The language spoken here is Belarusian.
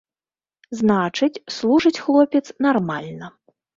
Значыць, служыць хлопец нармальна.